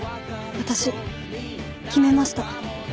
私決めました。